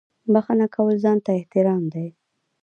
• بښنه کول ځان ته احترام دی.